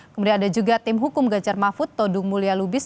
kemudian ada juga tim hukum gajar mahfud todung mulia lubis